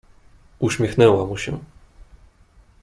"Uśmiechnęła mu się."